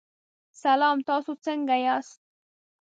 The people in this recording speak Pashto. سلام، تاسو څنګه یاست؟